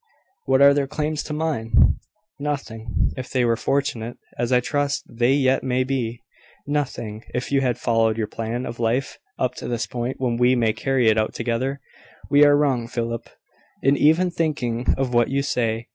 "What are their claims to mine?" "Nothing, if they were fortunate, as I trust they yet may be; nothing, if you had followed your plan of life up to the point when we may carry it out together. We are wrong, Philip, in even thinking of what you say.